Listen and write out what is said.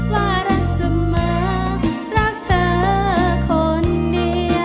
ว่ารักเสมอรักเธอคนนี้